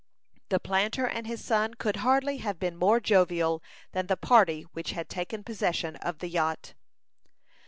The planter and his son could hardly have been more jovial than the party which had taken possession of the yacht.